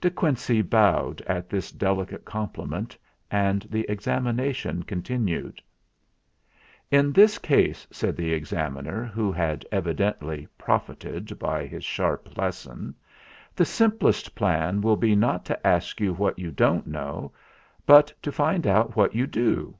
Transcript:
De Quincey bowed at this delicate compli ment, and the examination continued. "In this case," said the Examiner, who had evidently profited by his sharp lesson, "the simplest plan will be not to ask you what you don't know, but to find out what you do."